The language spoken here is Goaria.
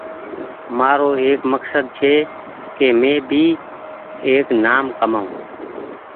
مآرو ايڪ مڪسد ڇي ڪ مينٚ بي نآم ڪمآئو